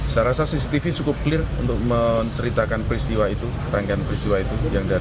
saya rasa cctv cukup clear untuk menceritakan peristiwa itu rangkaian peristiwa itu